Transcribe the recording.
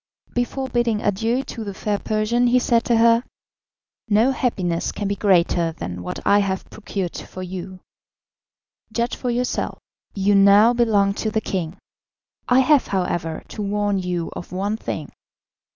Before bidding adieu to the fair Persian, he said to her: "No happiness can be greater than what I have procured for you; judge for yourself, you now belong to the king. I have, however, to warn you of one thing.